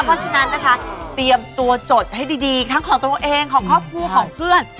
เพราะฉะนั้นนะคะเตรียมตัวจดให้ดีทั้งของตัวเองของครอบครัวของเพื่อน